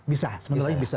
bisa sebenarnya bisa